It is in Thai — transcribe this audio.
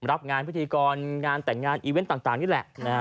รับงานพิธีกรงานแต่งงานอีเวนต์ต่างนี่แหละ